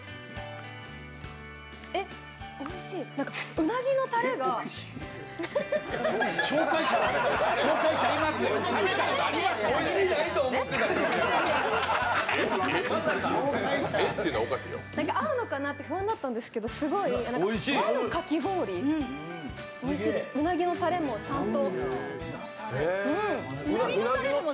うなぎのたれが合うのかなって不安だったんですけど、すごく和のかき氷、うなぎのたれもちゃんと。